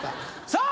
さあ